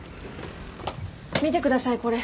見てくださいこれ。